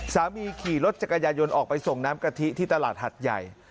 ขี่รถจักรยายนออกไปส่งน้ำกะทิที่ตลาดหัดใหญ่